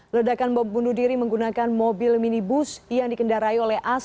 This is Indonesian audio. ledakan bom bunuh diri menggunakan mobil minibus yang dikendarai oleh as